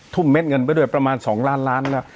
เม็ดเงินไปด้วยประมาณ๒ล้านล้านแล้ว